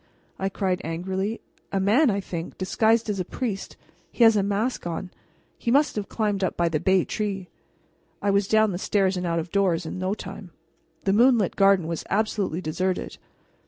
I cried angrily. "A man, I think, disguised as a priest, and he has a mask on. He must have climbed up by the bay tree." I was down the stairs and out of doors in no time. The moonlit garden was absolutely deserted.